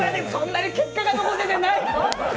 そんなに結果が残せてない！